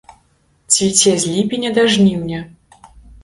Цвіце з ліпеня да жніўня.